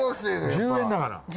１０円だから。